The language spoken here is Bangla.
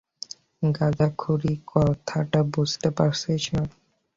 গাঁজাখুরি কথাটা বুঝতে পারছি না।